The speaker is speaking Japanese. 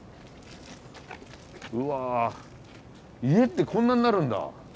うわ家ってこんなんなるんだ。